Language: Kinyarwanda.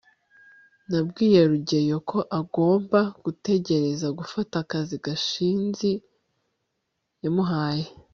nabwiye rugeyo ko agomba gutekereza gufata akazi gashinzi yamuhaye